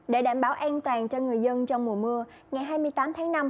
để đảm bảo an toàn cho người dân trong mùa mưa ngày hai mươi tám tháng năm